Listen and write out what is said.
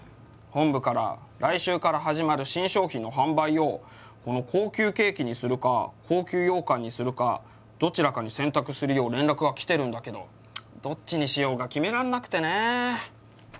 本部から来週から始まる新商品の販売をこの高級ケーキにするか高級ようかんにするかどちらかに選択するよう連絡が来てるんだけどどっちにしようか決めらんなくてね。